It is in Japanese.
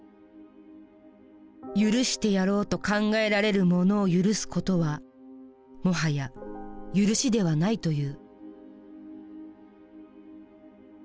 赦してやろうと考えられるものを赦すことはもはや「赦し」ではないという。